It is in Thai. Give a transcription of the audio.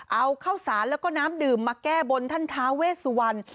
เอาข้าวสารแล้วก็น้ำดื่มมาแก้บนท่านท้าเวสวรรณ